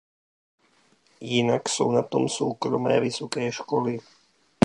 Jinak jsou na tom soukromé vysoké školy.